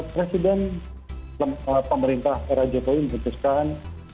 presiden pemerintah era jokowi memutuskan